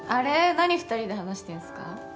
何２人で話してんすか？